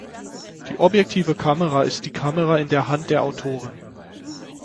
Die objektive Kamera ist die Kamera in der Hand der Autoren.